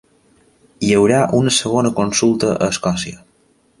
Hi haurà una segona consulta a Escòcia